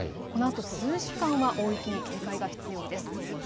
このあと数時間は大雪に警戒が必要です。